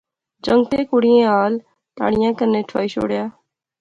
جنگتیں کڑئیں ہال تاڑئیں کنے ٹھوائی شوڑیا